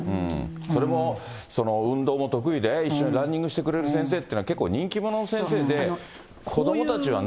それも運動も得意で、いっしょにランニングしてくれる先生というのは、結構、人気者の先生で、子どもたちはね。